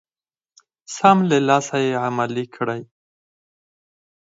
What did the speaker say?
سم له لاسه يې عملي کړئ.